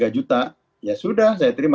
tiga juta ya sudah saya terima